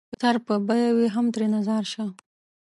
که سر په بيه وي هم ترېنه ځار شــــــــــــــــــه